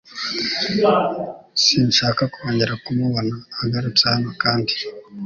Sinshaka kongera kumubona agarutse hano kandi.